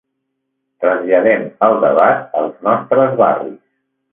Traslladem el debat als nostres barris.